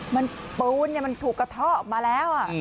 มันปูนเนี่ยมันถูกกระเทาะมาแล้วอะ